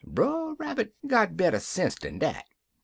"Brer Rabbit got better sense dan dat.